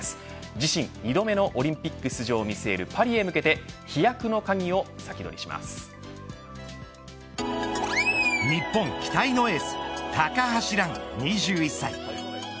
自身２度目のオリンピック出場を見据えるパリへ向けて飛躍のパリを先取りしま日本期待のエース、高橋藍２１歳。